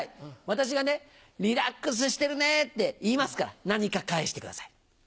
私が「リラックスしてるねぇ」って言いますから何か返してください。